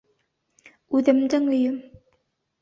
Үҙемдең өйөм!